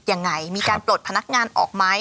ยังไงมีการปลดพนักงานออกไหม